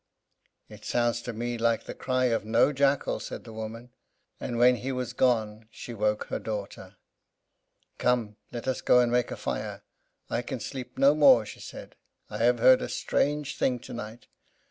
"It sounds to me like the cry of no jackal," said the woman; and when he was gone she woke her daughter. "Come, let us go and make a fire, I can sleep no more," she said; "I have heard a strange thing tonight.